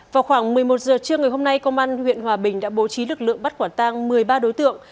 vào khoảng một mươi một giờ trưa ngày hôm nay công an huyện hòa bình đã bố trí lực lượng bắt quả tang một mươi ba đối tượng